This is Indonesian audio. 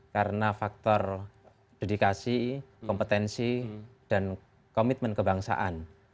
karena faktor dedikasi kompetensi dan komitmen kebangsaan